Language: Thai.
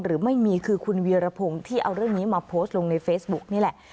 หรือไม่มีคือคุณเวียรพงศ์ที่เอาเรื่องนี้มาโพสต์ลงในเฟซบุ๊กนี่แหละ